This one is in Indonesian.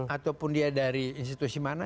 ataupun dia dari institusi mana